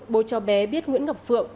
bố cho bé biết nguyễn ngọc phượng